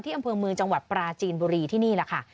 อำเภอเมืองจังหวัดปราจีนบุรีที่นี่แหละค่ะ